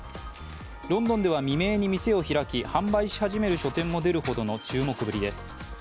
ロンドンでは未明に店を開き販売し始める書店も出るほどの注目ぶりです。